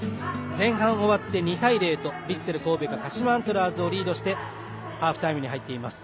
前半終わって２対０とヴィッセル神戸が鹿島アントラーズをリードしてハーフタイムに入っています。